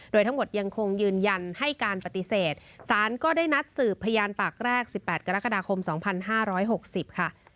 โดยทั้งหมดยังคงยืนยันให้การปฏิเสธสารก็ได้นัดสืบพยานปากแรก๑๘กรกฎาคม๒๕๖๐ค่ะ